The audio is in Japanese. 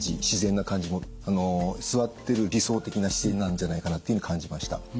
自然な感じも座ってる理想的な姿勢なんじゃないかなっていうふうに感じました。